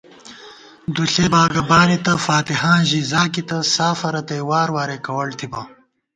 دُوݪےباگہ بانِتہ فاتِحاں ژی زاگِتہ، سافہ رتئ واروراےکوَڑ تھِبہ